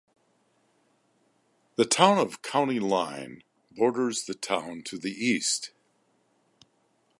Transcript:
The town of County Line borders the town to the east.